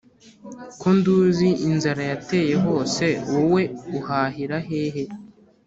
ko nduzi inzara yateye hose, wowe uhahira hehe